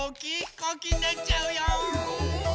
こうきになっちゃうよ！